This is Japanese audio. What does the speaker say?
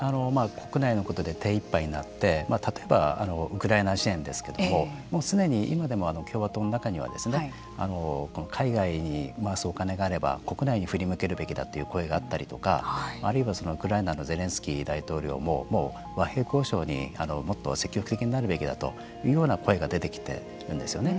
国内のことで手いっぱいになって例えば、ウクライナ支援ですけれどもすでに今でも共和党の中では海外に回すお金があれば国内に振り向けるべきだという声があったりとかあるいはウクライナのゼレンスキー大統領も和平交渉にもっと積極的になるべきだというような声が出てきているんですよね。